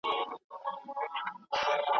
فیروز